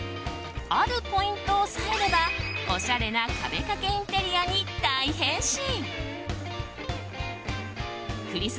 あるポイントを押さえればおしゃれな壁掛けインテリアに大変身！